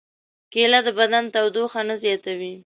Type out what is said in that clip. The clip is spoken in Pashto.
کېله د بدن تودوخه نه زیاتوي.